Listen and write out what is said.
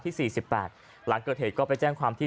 สี่สิบแปดหลังเกิดเหตุก็ไปแจ้งความที่